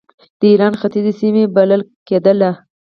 د ایران ختیځې سیمې بلل کېدله.